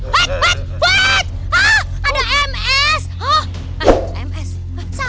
oh siapa ini perempuan